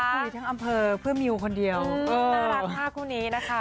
คุยทั้งอำเภอเพื่อมิวคนเดียวน่ารัก๕คู่นี้นะคะ